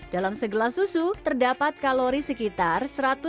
dalam segelas susu terdapat kalori sekitar seratus